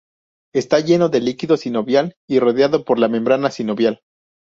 Está lleno de líquido sinovial y rodeado por la membrana sinovial.